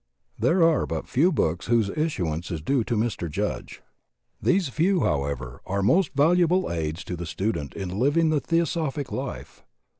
There are but few books whose issuance is due to i Mr. Judge; these few, however, are most valuable aids to the student in living the Theosophic life.